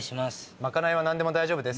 賄いは何でも大丈夫です。